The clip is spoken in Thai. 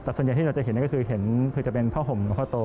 แต่ส่วนใหญ่ที่เราจะเห็นคือจะเป็นพ่อห่มหลงพ่อโต